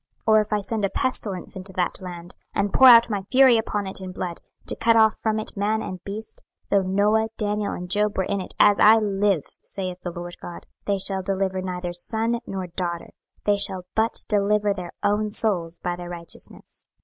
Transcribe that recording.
26:014:019 Or if I send a pestilence into that land, and pour out my fury upon it in blood, to cut off from it man and beast: 26:014:020 Though Noah, Daniel, and Job were in it, as I live, saith the Lord GOD, they shall deliver neither son nor daughter; they shall but deliver their own souls by their righteousness.